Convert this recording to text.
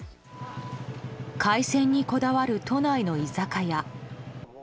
海鮮にこだわる都内の居酒屋。